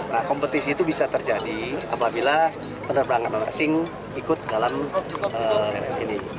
nah kompetisi itu bisa terjadi apabila penerbangan asing ikut dalam rm ini